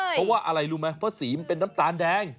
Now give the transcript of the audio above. เพราะว่าอะไรรู้ไหมเพราะสีมันเป็นน้ำตาลแดง